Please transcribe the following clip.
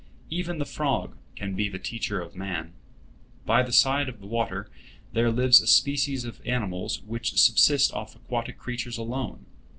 Even the frog can be the teacher of man. By the side of the water there lives a species of animals which subsist off aquatic creatures alone.